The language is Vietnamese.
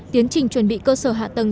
tiến trình chuẩn bị cơ sở hạ tầng